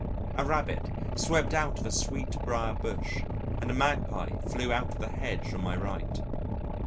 A Rabbit swept out of a sweet brier bush, and a Magpie flew out of the hedge on my right.